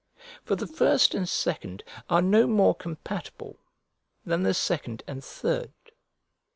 For the first and second are no more compatible than the second and third.